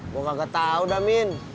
gua kagak tau damin